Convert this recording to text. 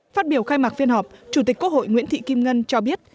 phát biểu khai mạc phiên họp chủ tịch quốc hội nguyễn thị kim ngân cho biết